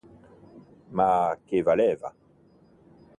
Ma che valeva?